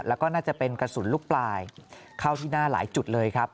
แล้วก็น่าจะเป็นกระสุนลูกปลายเข้าที่หน้าหลายจุดเลยครับ